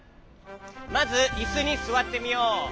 まずいすにすわってみよう。